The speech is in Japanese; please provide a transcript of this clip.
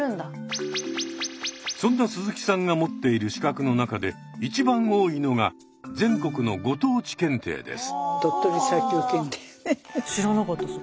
そんな鈴木さんが持っている資格の中で一番多いのが全国のご当地検定です。